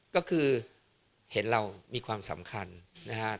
ก็คือเห็นเรามีความสำคัญนะครับ